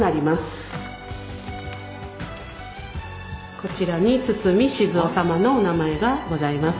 こちらに堤雄さまのお名前がございますす。